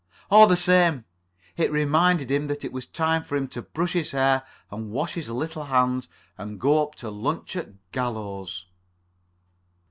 All the same it reminded him that it was time for him to brush his hair and wash his little hands, and go up to lunch at Gallows.